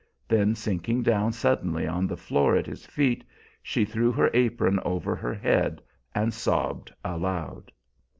Then sinking down suddenly on the floor at his feet, she threw her apron over her head and sobbed aloud.